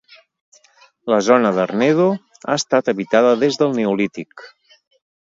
La zona d'Arnedo ha estat habitada des del neolític.